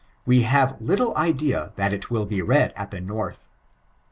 We have little idea that it will be read at the North.